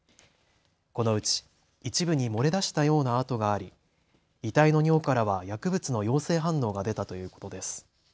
このうち一部に漏れ出したようなあとがあり遺体の尿からは薬物の陽性反応が出たということです。